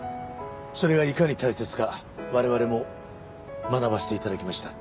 それがいかに大切か我々も学ばせて頂きました。